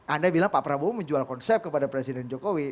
anda bilang pak prabowo menjual konsep kepada presiden jokowi